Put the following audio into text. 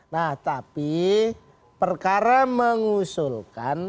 nah tapi perkara mengusulkan